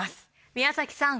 宮崎さん